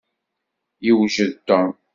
Yewjed Tom.